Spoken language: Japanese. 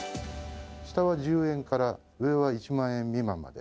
下は１０円から、上は１万円未満まで。